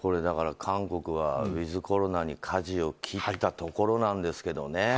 韓国はウィズコロナに、かじを切ったところなんですけどね。